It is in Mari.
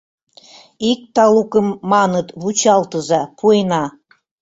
Ик талукым, маныт, вучалтыза — пуэна...